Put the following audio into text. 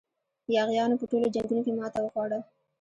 یاغیانو په ټولو جنګونو کې ماته وخوړه.